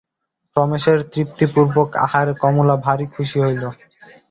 রমেশের তৃপ্তিপূর্বক আহারে কমলা ভারি খুশি হইল।